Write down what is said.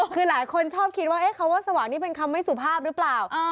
คือหลายคนชอบคิดว่าคำว่าสว่างนี่เป็นคำไม่สุภาพหรือเปล่า